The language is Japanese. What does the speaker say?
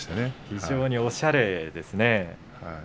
非常におしゃれですね。